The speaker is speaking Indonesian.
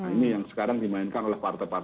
ini yang sekarang dimainkan oleh